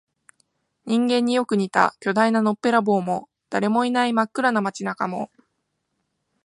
人間によく似た巨大なのっぺらぼうも、誰もいない真っ暗な街中も、